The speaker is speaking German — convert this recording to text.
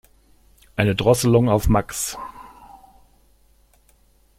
Eine Drosselung auf max.